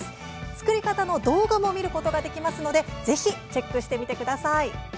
作り方の動画も見ることができますのでぜひチェックしてみてください。